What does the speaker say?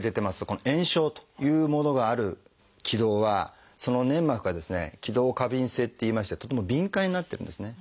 この炎症というものがある気道はその粘膜がですね気道過敏性っていいましてとても敏感になってるんですね。